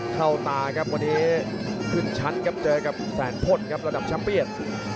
เข้าตาครับวันนี้ขึ้นชั้นครับเจอกับแสนพลครับระดับแชมป์เปียน